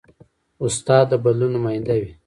استاد د بدلون نماینده وي.